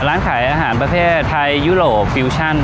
ร้านขายอาหารประเทศไทยยุโรปฟิวชั่น